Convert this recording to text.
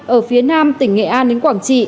ở phía nam tỉnh nghệ an đến quảng trị